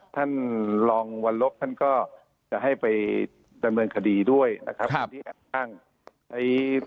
ท่านลองวั่นลบจะให้ไปดำเนินคดีด้วย